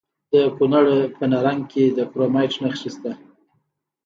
د کونړ په نرنګ کې د کرومایټ نښې شته.